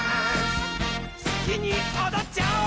すきにおどっちゃおう！